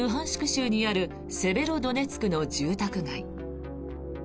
州にあるセベロドネツクの住宅街。